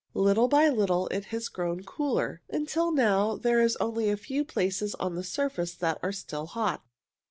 Little by little it has grown cooler, until now there are only a few places on the surface that are still hot.